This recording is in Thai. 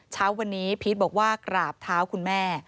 เช้าวันนี้พีชบอกว่ากราบเท้าคุณแม่